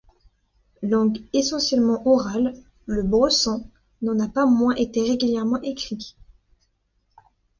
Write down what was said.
Langue essentiellement orale, le bressan n'en a pas moins été régulièrement écrit.